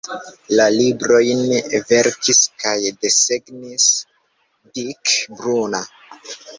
La librojn verkis kaj desegnis Dick Bruna.